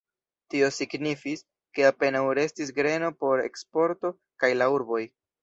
Tio signifis, ke apenaŭ restis greno por eksporto kaj la urboj.